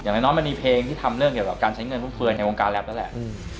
อย่างน้อยมันมีเพลงที่ทำเรื่องเกี่ยวกับการใช้เงินฟึกในวงการแลปแล้วแหละ